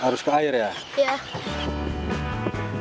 harus becek becekan dulu